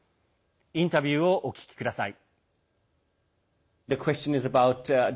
インタビューをお聞きください。